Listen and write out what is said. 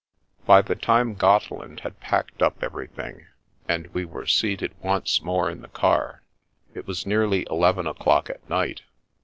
By the time Gotteland had packed up everything, and we were seated once more in the car, it was nearly eleven o'clock at night.